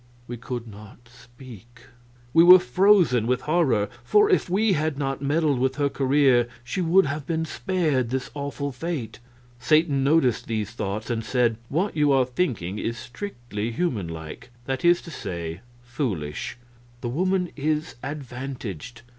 We could not speak; we were frozen with horror, for if we had not meddled with her career she would have been spared this awful fate. Satan noticed these thoughts, and said: "What you are thinking is strictly human like that is to say, foolish. The woman is advantaged.